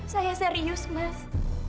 saya serius mas